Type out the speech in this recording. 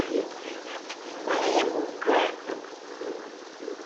A amaggad!